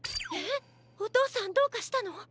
えっおとうさんどうかしたの？